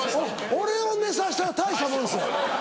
俺を寝させたら大したもんですよ」。